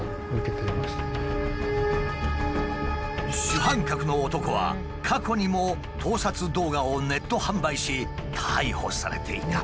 主犯格の男は過去にも盗撮動画をネット販売し逮捕されていた。